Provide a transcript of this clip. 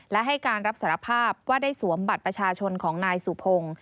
และให้การรับสารภาพว่าได้สวมบัตรประชาชนของนายสุพงศ์